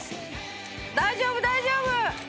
大丈夫大丈夫！